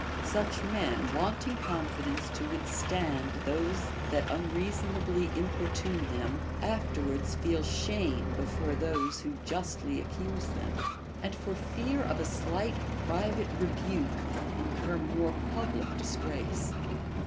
Such men, wanting confidence to withstand those that unreasonably importune them, afterwards feel shame before those who justly accuse them, and for fear of a slight private rebuke incur more public disgrace.